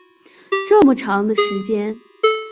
这么长的时间